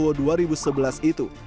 mengatakan bahwa dua ribu sebelas itu